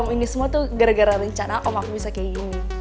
ini semua tuh gara gara rencana om aku bisa kayak gini